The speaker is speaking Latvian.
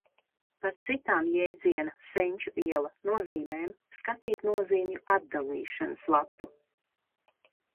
Par citām jēdziena Senču iela nozīmēm skatīt nozīmju atdalīšanas lapu.